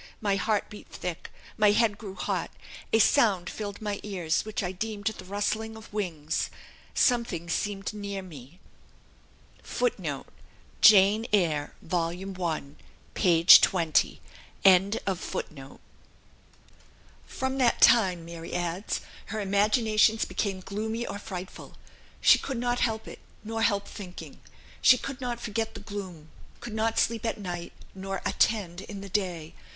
My heart beat thick, my head grew hot; a sound filled my ears which I deemed the rustling of wings; something seemed near me." "From that time," Mary adds, "her imaginations became gloomy or frightful; she could not help it, nor help thinking. She could not forget the gloom, could not sleep at night, nor attend in the day.